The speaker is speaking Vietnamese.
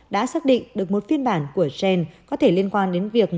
đã xác định được một phiên bản của gen có thể liên quan đến việc